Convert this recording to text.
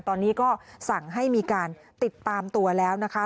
ตอนนี้ก็สั่งให้มีการติดตามตัวแล้วนะคะ